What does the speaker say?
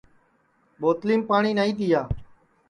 ٻوتلِیم پاٹؔی نائی تِیا